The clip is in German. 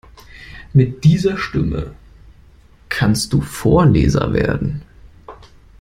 Mit dieser Stimme kannst du Vorleser werden.